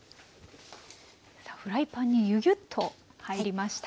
フライパンにぎゅぎゅっと入りました。